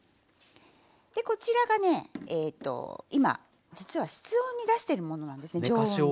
でこちらがねえと今実は室温に出してるものなんですね常温に。